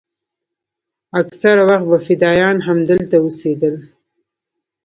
اکثره وخت به فدايان همدلته اوسېدل.